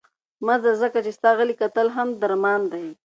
مه ځه، ځکه چې ستا غلي کتل هم درمان دی.